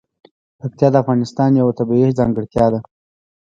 پکتیا د افغانستان یوه طبیعي ځانګړتیا ده.